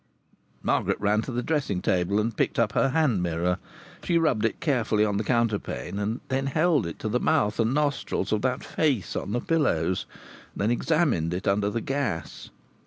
Margaret ran to the dressing table and picked up her hand mirror. She rubbed it carefully on the counterpane, and then held it to the mouth and nostrils of that face on the pillows, and then examined it under the gas.